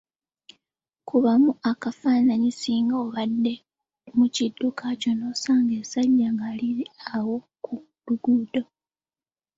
Kubamu akafaananyi singa obadde mu kidduka kyo nosanga essajja nga liri awo ku luguudo.